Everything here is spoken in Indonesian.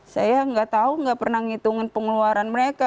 saya gak tahu gak pernah ngitungin pengeluaran mereka